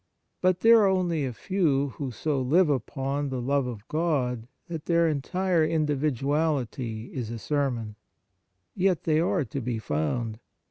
But there are only a few who so live upon the love of God that their entire individuality is a sermon. Yet they are to be found.